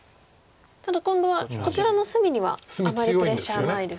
ただ今度はこちらの隅にはあまりプレッシャーないですね。